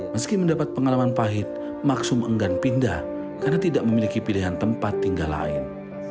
meski mendapat pengalaman pahit maksum enggan pindah karena tidak memiliki pilihan tempat tinggal lain